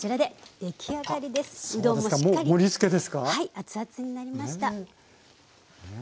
熱々になりました。